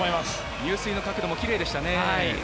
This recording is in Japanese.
入水の角度もきれいでしたね。